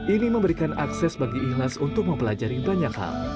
ini memberikan akses bagi ikhlas untuk mempelajari banyak hal